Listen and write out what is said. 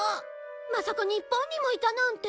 まさか日本にもいたなんて。